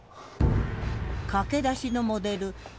駆け出しのモデル橋本